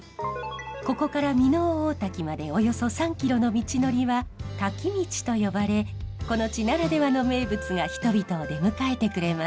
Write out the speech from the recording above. ここから箕面大滝までおよそ３キロの道のりは滝道と呼ばれこの地ならではの名物が人々を出迎えてくれます。